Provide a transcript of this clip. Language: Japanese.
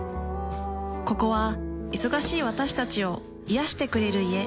ここは忙しい私たちを癒してくれる家。